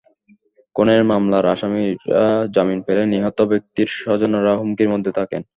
খুনের মামলার আসামিরা জামিন পেলে নিহত ব্যক্তির স্বজনেরা হুমকির মধ্যে থাকেন।